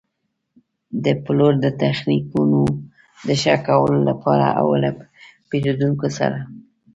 د پلور د تخنیکونو د ښه کولو لپاره او له پېرېدونکو سره.